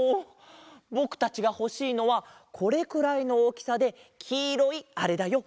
ぼくたちがほしいのはこれくらいのおおきさできいろいあれだよ。